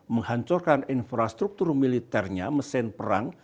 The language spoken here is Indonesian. menghancurkan infrastruktur militernya mesin perang